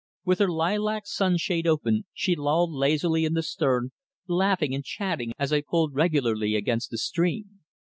With her lilac sunshade open she lolled lazily in the stern, laughing and chatting as I pulled regularly against the stream.